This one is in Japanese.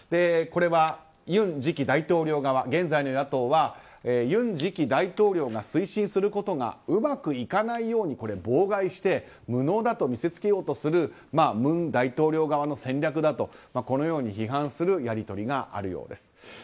これは尹次期大統領側現在の野党は尹次期大統領が推進することがうまくいかないように妨害して無能だと見せつけようとする文大統領側の戦略だと批判するやり取りがあるようです。